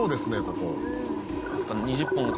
ここ」